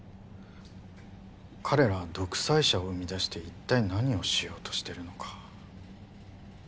彼らは独裁者を生み出して一体何をしようとしているのか？